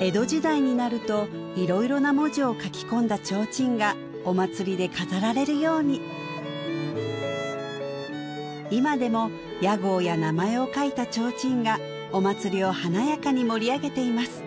江戸時代になると色々な文字を書き込んだ提灯がお祭りで飾られるように今でも屋号や名前を書いた提灯がお祭りを華やかに盛り上げています